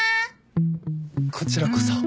こちらこそ。